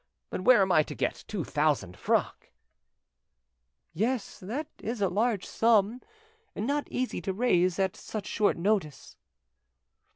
But where am I to get two thousand francs?" "Yes, that is a large sum, and not easy to raise at such short notice."